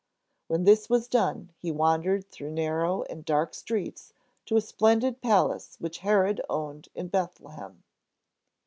When this was done, he wandered through narrow and dark streets, to a splendid palace which Herod owned in Bethlehem.